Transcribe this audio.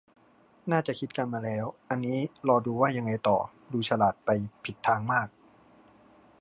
น่าจะคิดกันมาแล้ว อันนี้รอดูว่ายังไงต่อ ดูฉลาดไปผิดทางมาก